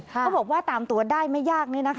เขาบอกว่าตามตัวได้ไม่ยาก